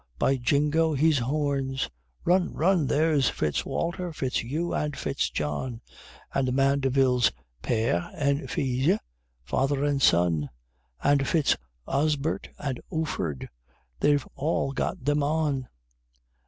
by Jingo, he's horns! Run! run! There's Fitz Walter, Fitz Hugh, and Fitz John, And the Mandevilles, père et filz (father and son), And Fitz Osbert, and Ufford _they've all got them on!